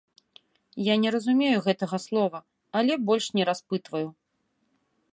Я не разумею гэтага слова, але больш не распытваю.